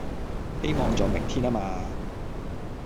希望在明天啊嘛